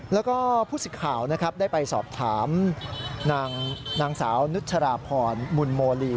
แล้วก็ผู้สิทธิ์ข่าวนะครับได้ไปสอบถามนางสาวนุชราพรมุนโมลี